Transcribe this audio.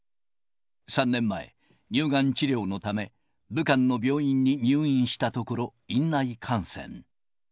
３年前、乳がん治療のため、武漢の病院に入院したところ、院内感染。